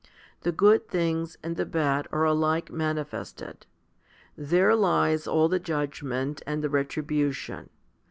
The good things and the bad are alike manifested. There lies all the judgment and the retribution.